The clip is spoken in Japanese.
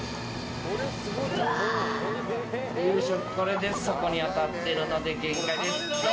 これで底に当たってるので限界です。